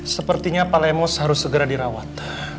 sepertinya pak lemos harus segera dirawat